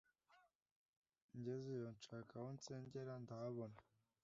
ngezeyo nshaka aho nsengera ndahabona